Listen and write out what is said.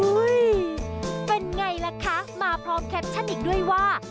เป็นไงล่ะคะมาพร้อมแคปชั่นอีกด้วยว่า